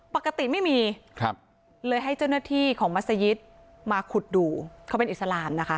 ปกติไม่มีเลยให้เจ้าหน้าที่ของมัศยิตมาขุดดูเขาเป็นอิสลามนะคะ